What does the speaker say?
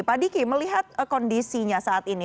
pak diki melihat kondisinya saat ini